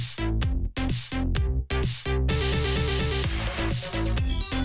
ไขว้ขาไขว้ขาไขว้ขา